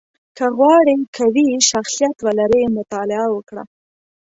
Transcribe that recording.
• که غواړې قوي شخصیت ولرې، مطالعه وکړه.